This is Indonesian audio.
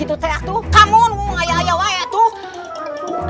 aduh tidak bisa atuk